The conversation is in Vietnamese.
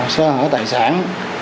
sơ hở tài sản